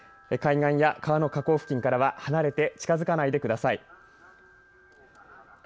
海岸や川の河口付近からは離れて近づかないでください。